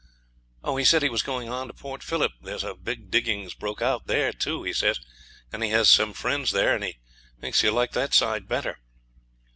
'Oh! he said he was going on to Port Phillip. There's a big diggings broke out there too, he says; and he has some friends there, and he thinks he'll like that side better.'